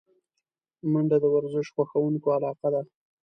منډه د ورزش خوښونکو علاقه ده